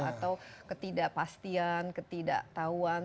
atau ketidakpastian ketidaktahuan